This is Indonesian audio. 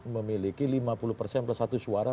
memiliki lima puluh persen plus satu suara